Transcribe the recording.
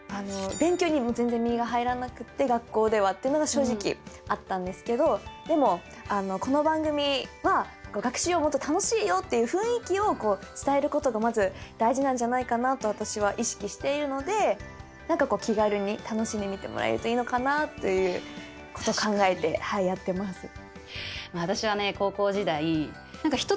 勉強にも全然身が入らなくって学校ではってのが正直あったんですけどでもこの番組は学習はもっと楽しいよっていう雰囲気を伝えることがまず大事なんじゃないかなと私は意識しているので何か気軽に楽しんで見てもらえるといいのかなということ考えてやってます。